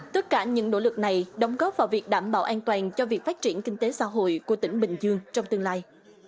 tất cả những nỗ lực này đóng góp vào việc đảm bảo an toàn cho việc phát triển kinh tế xã hội của tỉnh bình dương trong tương lai